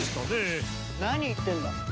何言ってんだ。